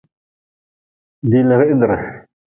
Diilrihdre.